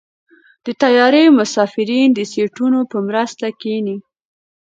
د طیارې مسافرین د سیټونو په مرسته کېني.